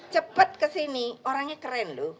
cepet kesini orangnya keren lho